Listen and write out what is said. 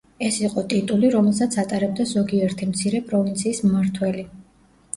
ეს იყო ტიტული, რომელსაც ატარებდა ზოგიერთი მცირე პროვინციის მმართველი.